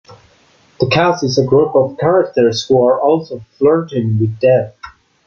The cast is a group of characters who are also flirting with death.